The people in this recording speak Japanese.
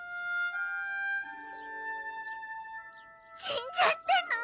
死んじゃったの！？